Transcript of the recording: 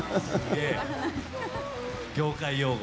業界用語。